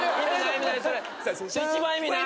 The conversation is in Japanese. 一番意味ない。